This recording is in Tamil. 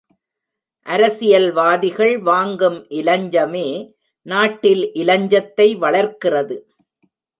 அரசியல்வாதிகள் வாங்கும் இலஞ்சமே, நாட்டில் இலஞ்சத்தை வளர்க்கிறது.